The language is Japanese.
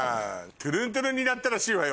ツゥルンツゥルンになったらしいわよ